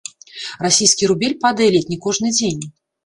Расійскі рубель падае ледзь не кожны дзень.